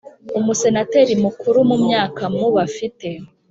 Umusenateri mukuru mu myaka mu bafite